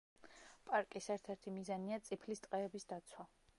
პარკის ერთ-ერთი მიზანია წიფლის ტყეების დაცვა.